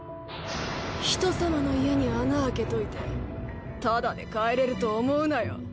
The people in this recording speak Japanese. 人様の船に穴開けといてただで帰れると思うなよ。